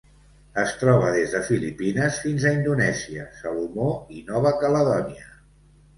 Es troba des de Filipines fins a Indonèsia, Salomó i Nova Caledònia.